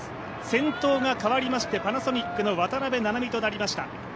先頭が変わりましてパナソニックの渡邊菜々美となりました。